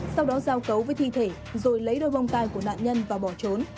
sau đó giao cấu với thi thể rồi lấy đôi bông tai của nạn nhân và bỏ trốn